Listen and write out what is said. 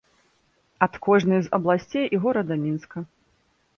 Ад кожнай з абласцей і горада Мінска.